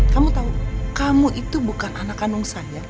kamu tahu kamu itu bukan anak kanungsan ya